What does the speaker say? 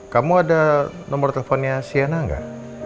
kamu ada nomor teleponnya sienna gak